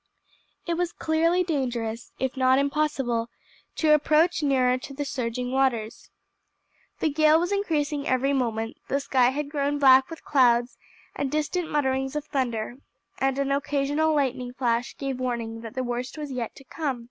It was clearly dangerous, if not impossible, to approach nearer to the surging waters. The gale was increasing every moment, the sky had grown black with clouds and distant mutterings of thunder, and an occasional lightning flash gave warning that the worst was yet to come.